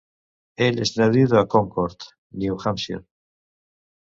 Ell és nadiu de Concord, New Hampshire.